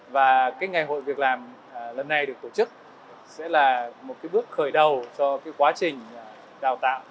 và ngày hội việc làm lần này được tổ chức sẽ là một bước khởi đầu cho quá trình đào tạo